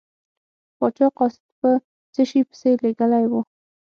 پاچا قاصد په څه شي پسې لیږلی و.